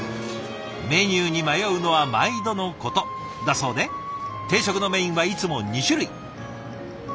メニューに迷うのは毎度のことだそうで定食のメインはいつも２種類。